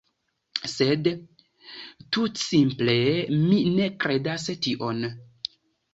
Sed, tutsimple, mi ne kredas tion.